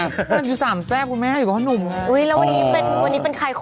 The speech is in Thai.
มันอยู่สามแซ่บกับแม่อยู่กับหนุ่มอุ้ยแล้ววันนี้เป็นวันนี้เป็นใคร